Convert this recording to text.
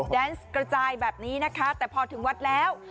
แดนส์กระจายแบบนี้นะคะแต่พอถึงวัดแล้ว